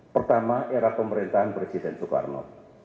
pertama era pemerintahan presiden soekarno